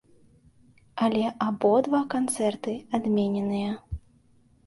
Але абодва канцэрты адмененыя.